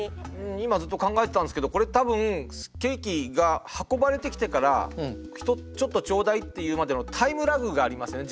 今ずっと考えてたんですけどこれ多分ケーキが運ばれてきてから「ちょっとちょうだい」って言うまでのタイムラグがありますよね